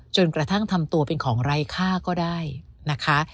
จนกระทั่งทำตัวเป็นของไร้ค่าก็ได้นะคะ